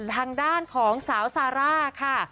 ทางด้านของสาวซาร่าค่ะ